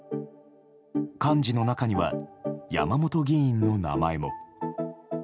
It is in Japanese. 幹事の中には、山本議員の名前も。